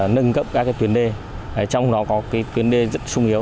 nâng cấp các cái tuyến đê trong đó có cái tuyến đê rất sung yếu